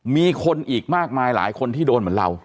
มีคนอีกมากมายหลายคนที่โดนเหมือนเรา